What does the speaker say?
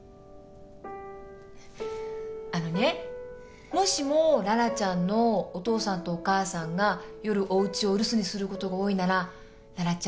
あのねもしも羅羅ちゃんのお父さんとお母さんが夜おうちをお留守にすることが多いなら羅羅ちゃん。